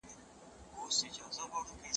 اسلامي حکومت باید د ذمیانو ساتنه وکړي.